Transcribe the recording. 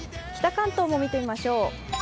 北関東も見てみましょう。